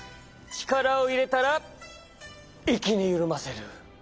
ちからをいれたらいっきにゆるませる。